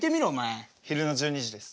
昼の１２時です。